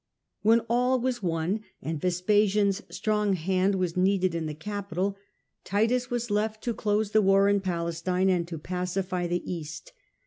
When all was won and Vespasian's strong hand was needed in the capital, Titus was left to close the war in 156 The Earlier Empire, a.d. 79"8 i . Palestine and to pacify the East.